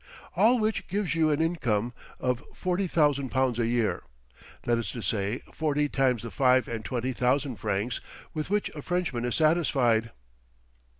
All which gives you an income of forty thousand pounds a year. That is to say, forty times the five and twenty thousand francs with which a Frenchman is satisfied."